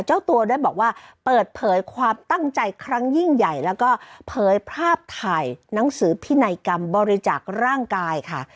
เจ้าตัวได้บอกว่าเปิดเผยความตั้งใจครั้งยิ่งใหญ่แล้วก็เผยภาพถ่ายหนังสือพินัยกรรมบริจาคร่างกายค่ะ